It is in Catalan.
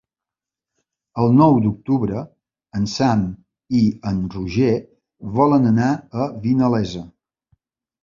El nou d'octubre en Sam i en Roger volen anar a Vinalesa.